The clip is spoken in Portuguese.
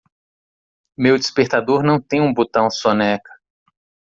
Meu despertador não tem um botão soneca.